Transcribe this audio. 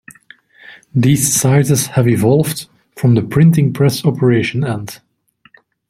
These sizes have evolved from the printing press operation end.